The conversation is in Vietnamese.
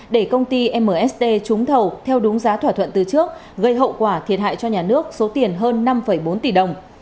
để công ty mst trúng thầu theo đúng giá thỏa thuận từ trước gây hậu quả thiệt hại cho nhà nước số tiền hơn năm bốn tỷ đồng